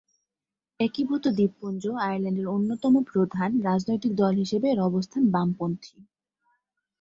একীভূত দ্বীপপুঞ্জ আয়ারল্যান্ডের অন্যতম প্রধান রাজনৈতিক দল হিসেবে এর অবস্থান বামপন্থী।